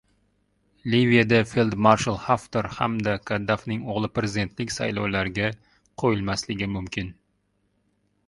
Liviyada feldmarshal Haftar hamda Kaddafining o‘g‘li prezidentlik saylovlariga qo‘yilmasligi mumkin